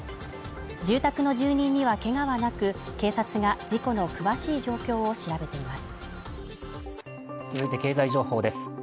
住宅の住人には怪我はなく、警察が事故の詳しい状況を調べています。